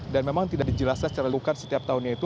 dan memang tidak dijelaskan secara lakukan setiap tahunnya itu